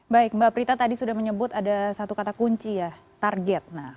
baik mbak prita tadi sudah menyebut ada satu kata kunci ya target